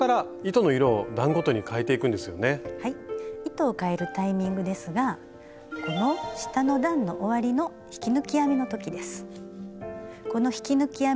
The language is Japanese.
糸をかえるタイミングですがこの下の段の終わりの引き抜き編みの時です。